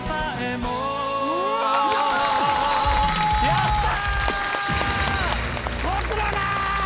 やった！